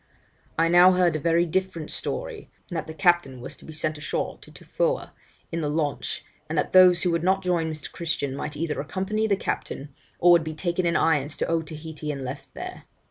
I now heard a very different story, and that the captain was to be sent ashore to Tofoa in the launch, and that those who would not join Mr. Christian might either accompany the captain, or would be taken in irons to Otaheite and left there.